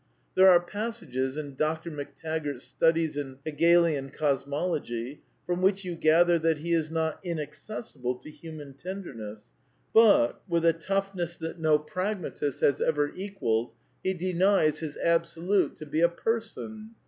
There are passages in Dr. McTaggart's Stvdies in Hege lian Cosmology from which you gather that he is not in accessible to human tenderness ; but, with a toughness that X INTKODUCTION no pragmatist has ever equalled^ he denies his Absolute to be a " person.''